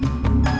liat dong liat